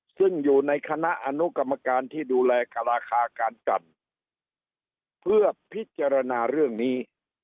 ซึ่งอยู่ในคณะอนุกรรมการที่ดูแลราคาการกันเพื่อพิจารณาเรื่องนี้